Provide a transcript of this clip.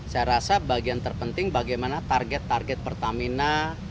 saya rasa bagian terpenting bagaimana target target pertamina